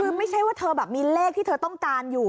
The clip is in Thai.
คือไม่ใช่ว่าเธอแบบมีเลขที่เธอต้องการอยู่